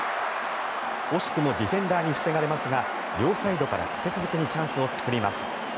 惜しくもディフェンダーに防がれますが両サイドから立て続けにチャンスを作ります。